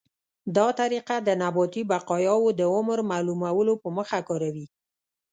دا طریقه د نباتي بقایاوو د عمر معلومولو په موخه کاروي.